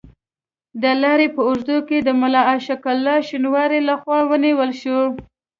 د لارې په اوږدو کې د ملا عاشق الله شینواري له خوا ونیول شو.